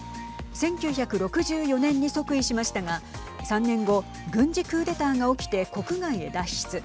１９６４年に即位しましたが３年後、軍事クーデターが起きて国外へ脱出。